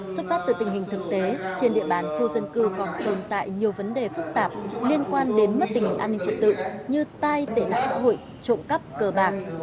xuất phát từ tình hình thực tế trên địa bàn khu dân cư còn tồn tại nhiều vấn đề phức tạp liên quan đến mất tình hình an ninh trận tự như tai tỉnh hội trộm cắp cờ bạc